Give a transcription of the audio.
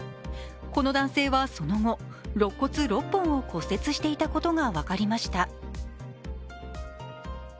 この男性はその後、ろっ骨６本を骨折していたことが分かりました。